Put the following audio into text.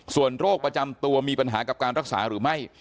ส่วนโรคประจำตัวมีปัญหากับการรักษาหรือไม่